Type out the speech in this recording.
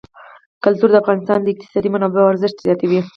کلتور د افغانستان د اقتصادي منابعو ارزښت زیاتوي.